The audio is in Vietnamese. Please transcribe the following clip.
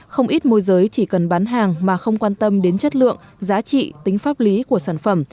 không ít môi giới chỉ cần bán hàng mà không quan tâm đến chất lượng giá trị tính pháp lý của sản phẩm